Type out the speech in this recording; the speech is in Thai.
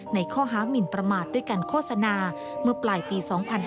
ในข้อหามินประมาทด้วยการโฆษณาเมื่อปลายปี๒๕๕๙